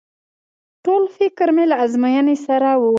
ټول فکر مې له ازموينې سره و.